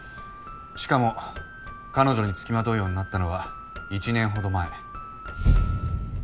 しかも彼女に付きまとうようになったのは１年ほど前。